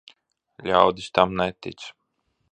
Ļaudis tam netic.